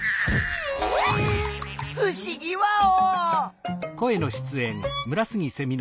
ふしぎワオ！